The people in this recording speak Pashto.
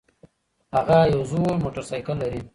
هغه يو زوړ موټرسايکل لري